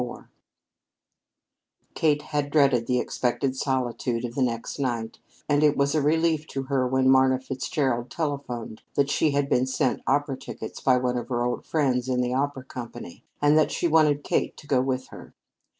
XXIV Kate had dreaded the expected solitude of the next night, and it was a relief to her when Marna Fitzgerald telephoned that she had been sent opera tickets by one of her old friends in the opera company, and that she wanted Kate to go with her.